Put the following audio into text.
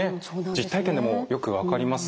実体験でもよく分かります。